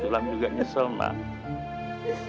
sulam juga nyesel mak